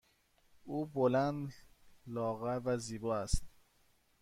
او بلند، لاغر و زیبا است.